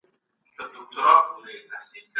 که ښوونکي مهارتونه تازه کړي، تدریس کمزوری نه کېږي.